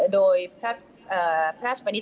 โดยพระราชบรรณิธรรมนี้